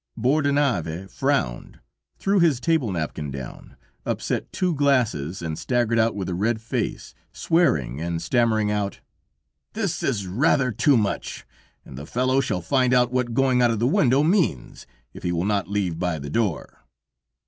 Bordenave frowned, threw his table napkin down, upset two glasses and staggered out with a red face, swearing and stammering out: "This is rather too much, and the fellow shall find out what going out of the window means, if he will not leave by the door."